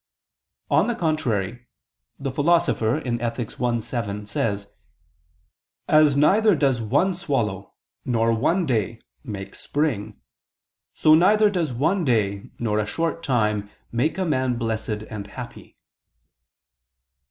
On the contrary, The Philosopher (Ethic. i, 7): "As neither does one swallow nor one day make spring: so neither does one day nor a short time make a man blessed and happy."